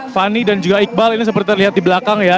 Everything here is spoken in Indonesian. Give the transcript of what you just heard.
fani dan juga iqbal ini seperti terlihat di belakang ya